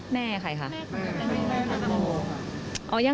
แม่ใครค่ะ